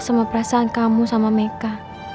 sama perasaan kamu sama meka